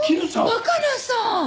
若菜さん！